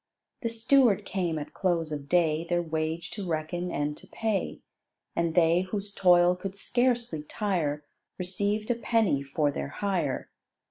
The steward came at close of day Their wage to reckon and to pay; And they whose toil could scarcely tire, Received a penny for their hire.